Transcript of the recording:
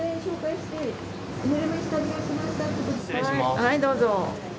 はいどうぞ。